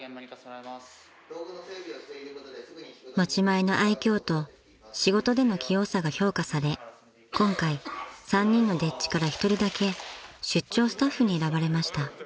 ［持ち前の愛嬌と仕事での器用さが評価され今回３人の丁稚から１人だけ出張スタッフに選ばれました］